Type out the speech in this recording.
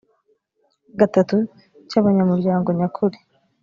gatatu cy abanyamuryango nyakuri